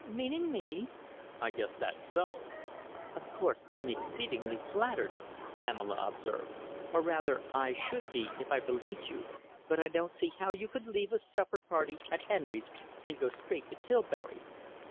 "Meaning me?" "I guess that's so!" "Of course, I'm exceedingly flattered," Pamela observed, "or rather I should be if I believed you, but I don't see how you could leave a supper party at Henry's and go straight to Tilbury."